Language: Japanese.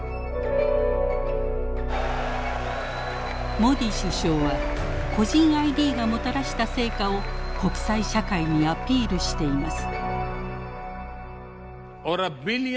モディ首相は個人ＩＤがもたらした成果を国際社会にアピールしています。